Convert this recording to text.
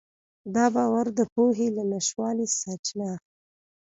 دا باور د پوهې له نشتوالي سرچینه اخلي.